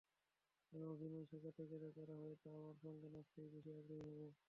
আমি অভিনয় শেখাতে গেলে তারা হয়তো আমার সঙ্গে নাচতেই বেশি আগ্রহী হবে।